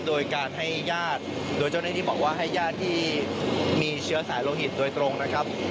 โดยการให้ญาติโดยเจ้าหน้าที่บอกว่าให้ญาติที่มีเชื้อสายโลหิตโดยตรงนะครับ